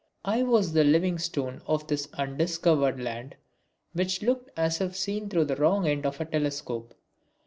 I was the Livingstone of this undiscovered land which looked as if seen through the wrong end of a telescope.